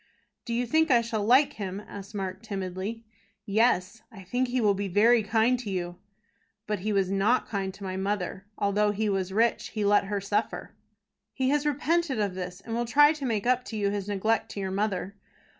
"Do you think I shall like him?" asked Mark, timidly. "Yes; I think he will be very kind to you." "But he was not kind to my mother. Although he was rich, he let her suffer." "He has repented of this, and will try to make up to you his neglect to your mother."